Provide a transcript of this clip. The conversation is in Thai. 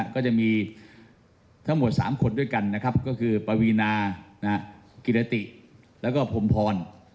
ก็จะมีทั้งหมด๓คนด้วยกันนะครับก็คือปวีนากิรติแล้วก็พรมพร